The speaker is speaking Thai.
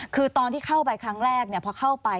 คือตอนที่เข้าไปครั้งแรกพอเข้าไป